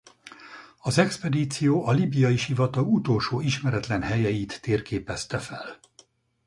Az expedíció a Líbiai-sivatag utolsó ismeretlen helyeit térképezte fel.